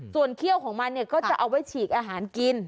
ส่วนเขี้ยวของมันเนี่ยก็จะเอาไว้ฉีกอาหารกิน